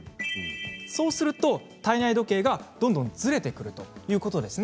そうすると体内時計がどんどんずれてくるということですね